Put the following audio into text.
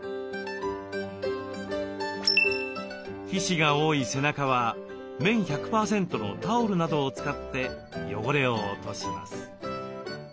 皮脂が多い背中は綿１００％のタオルなどを使って汚れを落とします。